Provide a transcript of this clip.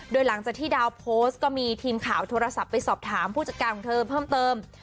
โดยหลังจากที่ดาวโพสต์ก็มีทีมข่าวโทรศัพท์ไปสอบถามผู้จัดการของเธอเพิ่มเติม